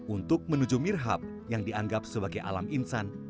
untuk menuju mirhab yang dianggap sebagai alam insan